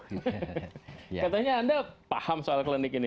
katanya anda paham soal klinik ini